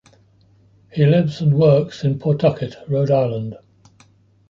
He lives and works in Pawtucket, Rhode Island.